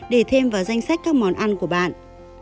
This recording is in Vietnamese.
để thêm vào danh sách các món ăn của bạn